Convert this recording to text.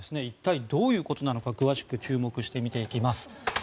一体、どういうことなのか詳しく注目して見ていきます。